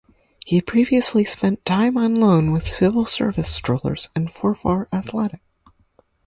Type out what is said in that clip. He previously spent time on loan with Civil Service Strollers and Forfar Athletic.